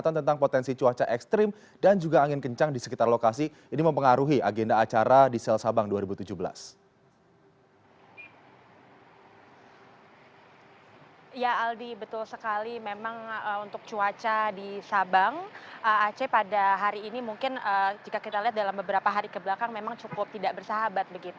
untuk cuaca di sabang aceh pada hari ini mungkin jika kita lihat dalam beberapa hari kebelakang memang cukup tidak bersahabat